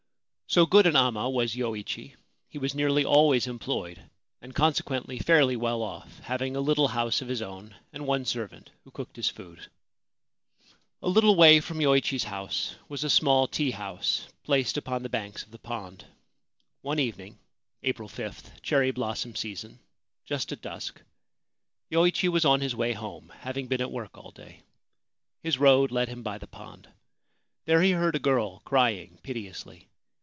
So good an amma was Yoichi, he was nearly always employed, and, consequently, fairly well ofF, having a little house of his own and one servant, who cooked his food. A little way from Yoichi's house was a small teahouse, placed upon the banks of the pond. One evening (April 5 ; cherry blossom season), just at dusk, Yoichi was on his way home, having been at work all day. His road led him by the pond. There he heard a girl crying piteously.